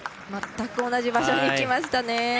全く同じ場所にいきましたね。